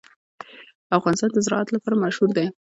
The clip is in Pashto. افغانستان د زراعت لپاره مشهور دی.